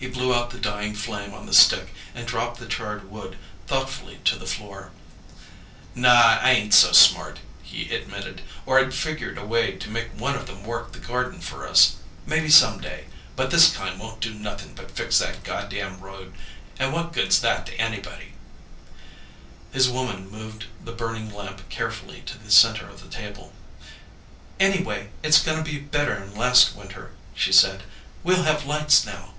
He blew out the dying flame on the stick and dropped the charred wood thoughtfully to the floor. "Naw, I ain't so smart," he admitted, "or I'd figure a way to make one of them work the garden for us. Maybe someday but this kind won't do nothin' but fix that goddam road, an' what good's that to anybody?" His woman moved the burning lamp carefully to the center of the table. "Anyway, it's gonna be better'n last winter," she said. "We'll have lights now."